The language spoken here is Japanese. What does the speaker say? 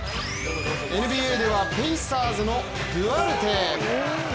ＮＢＡではペイサーズのドゥアルテ。